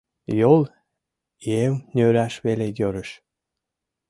Йол ем нӧраш веле йӧрыш.